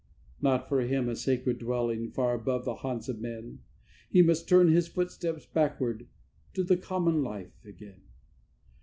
Not for him a sacred dwelling, far above the haunts of men: He must turn his footsteps backward to the common life again.